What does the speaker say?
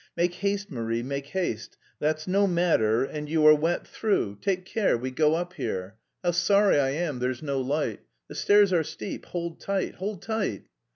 "Make haste, Marie, make haste... that's no matter, and... you are wet through. Take care, we go up here how sorry I am there's no light the stairs are steep, hold tight, hold tight!